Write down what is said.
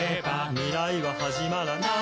「未来ははじまらない」